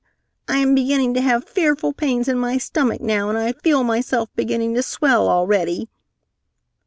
I am beginning to have fearful pains in my stomach now and I feel myself beginning to swell already!